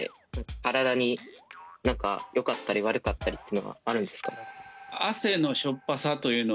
体に何かよかったり悪かったりっていうのがあるんですか？